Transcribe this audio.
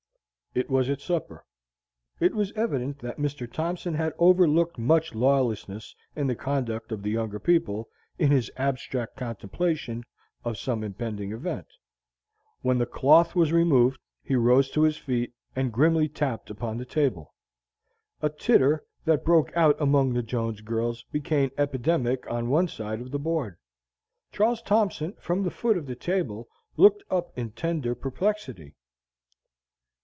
It was at supper. It was evident that Mr. Thompson had overlooked much lawlessness in the conduct of the younger people, in his abstract contemplation of some impending event. When the cloth was removed, he rose to his feet, and grimly tapped upon the table. A titter, that broke out among the Jones girls, became epidemic on one side of the board. Charles Thompson, from the foot of the table, looked up in tender perplexity.